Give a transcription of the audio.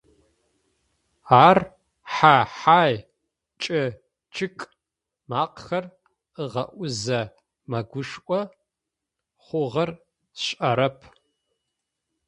Ар «хьа-хьай», «кӏы-кӏык»ӏ макъэхэр ыгъэӏузэ мэгушӏо, хъугъэр сшӏэрэп.